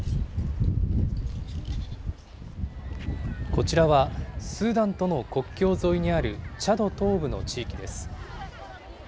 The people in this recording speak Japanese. こちらは、スーダンとの国境沿いにあるチャド東部の地域です。